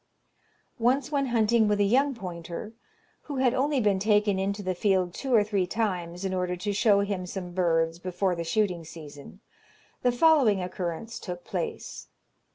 Once when hunting with a young pointer, who had only been taken into the field two or three times, in order to show him some birds before the shooting season, the following occurrence took place.